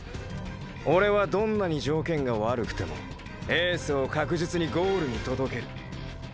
オレはどんなに条件が悪くてもエースを確実にゴールに届ける。